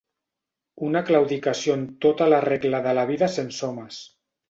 Una claudicació en tota la regla de la vida sense homes.